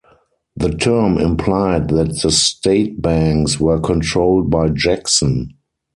The term implied that the state banks were controlled by Jackson.